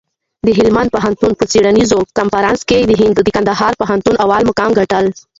د هلمند پوهنتون په څېړنیز کنفرانس کي د کندهار پوهنتون اول مقام ګټل.